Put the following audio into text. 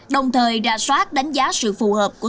đồng thời ra soát đánh giá sự phù hợp của thủ tục hành chính